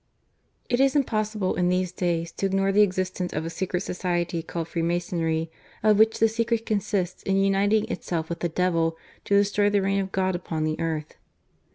It is impossible in these days to ignore the existence of a secret society called Freemasonry, of which the secret consists in uniting itself with the devil to destroy the reign of God upon the earth.